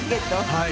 はい。